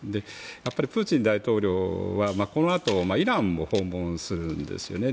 やっぱりプーチン大統領はこのあとイランも訪問するんですよね。